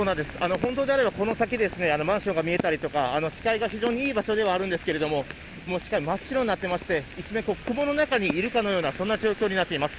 本当であればこの先、マンションが見えたりとか、視界が非常にいい場所ではあるんですけれども、もう視界真っ白になってまして、一面、雲の中にいるかのような、そんな状況になっています。